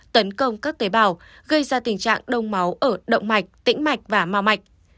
tấn công các tế bào gây ra tình trạng đông máu ở động mạch tĩnh mạch và mau mạch